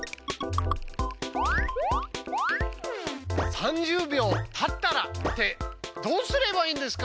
「３０秒たったら」ってどうすればいいんですか？